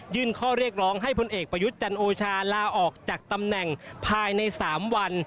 ข้อเรียกร้องให้พลเอกประยุทธ์จันโอชาลาออกจากตำแหน่งภายใน๓วัน